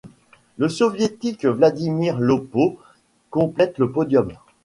Le Soviétique Vladimir Lappo complète le podium.